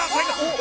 え！？